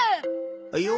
はいよ。